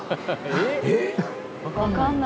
えっ？